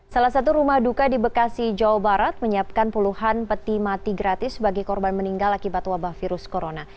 salah satu rumah duka di bekasi jawa barat menyiapkan puluhan peti mati gratis bagi korban meninggal akibat wabah virus corona